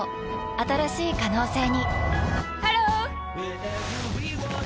新しい可能性にハロー！